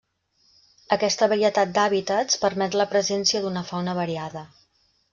Aquesta varietat d'hàbitats permet la presència d'una fauna variada.